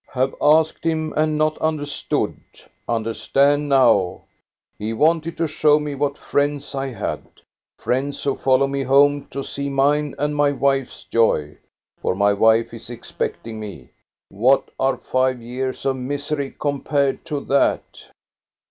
" Have asked Him and not understood ; understand now. He wanted to show me what friends I had ; friends who follow me home to see mine and my wife's joy. For my wife is expecting me. What are five years of misery compared to that?